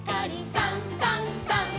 「さんさんさん」